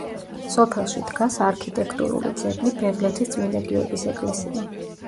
სოფელში დგას არქიტექტურული ძეგლი ბეღლეთის წმინდა გიორგის ეკლესია.